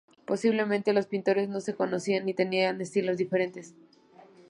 Posiblemente, los pintores no se conocían y tenían estilos diferentes.